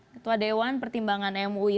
ketua dewan pertimbangan mui